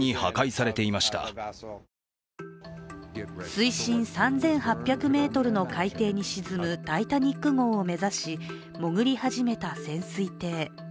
水深３８００ｍの海底に沈む「タイタニック」号を目指し、潜り始めた潜水艇。